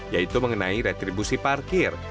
yaitu mengenai retribusi parkir